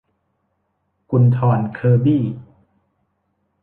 กุลธรเคอร์บี้